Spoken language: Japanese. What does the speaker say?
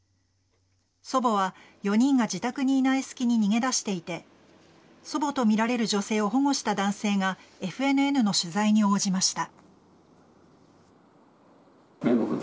祖母は４人が自宅にいない隙に逃げ出していて祖母とみられる女性を保護した男性がＦＮＮの取材に応じました。